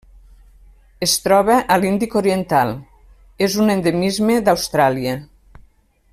Es troba a l'Índic oriental: és un endemisme d'Austràlia.